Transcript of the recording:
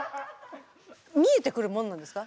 見えてくるもんなんですか？